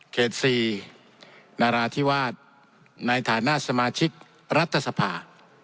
เขตสี่นาราธิวาสในฐานะสมาชิกรัฐศภา